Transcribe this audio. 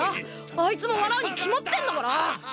あいつも笑うに決まってんだから！